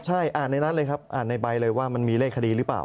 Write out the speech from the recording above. ใช่อ่านในนั้นเลยครับอ่านในใบเลยว่ามันมีเลขคดีหรือเปล่า